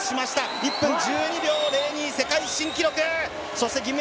１分１２秒０２、世界新記録！